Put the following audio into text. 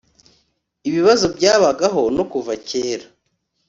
ibibazo byabagaho no kuva kera